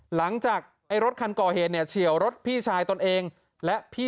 ไอ้รถคันก่อเหตุเนี่ยเฉียวรถพี่ชายตนเองและพี่